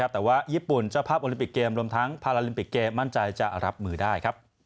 แต่ว่าญี่ปุ่นเจ้าภาพโอลิมปิกเกมรวมทั้งพาราลิมปิกเกมมั่นใจจะรับมือได้